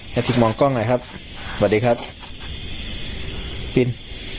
แฮทิกมองกล้องหน่อยครับบอดีครับปิ้น